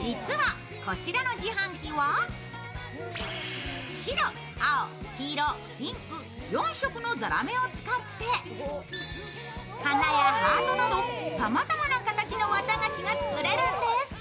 実はこちらの自販機は白、青、黄色、ピンク、４色のザラメを使って花やハートなどさまざまな形のわたがしが作れるんです。